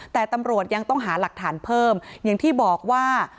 แต่ตำรวจยังต้องหาหลักฐานเพิ่มอย่างที่บอกว่า